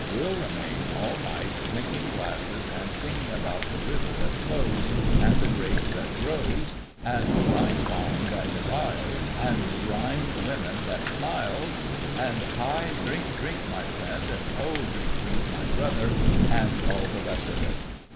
7/ remain all night, clinking glasses, and singing about the river that flows, and the grape that grows, and Rhine wine that beguiles, and Rhine w'oman that smiles and hi drink drink my friend and ho drink drink my brother, and all the rest of it.